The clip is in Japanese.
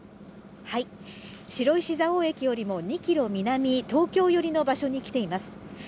白石蔵王駅よりも、２キロ南、東京寄りの場所に来ています。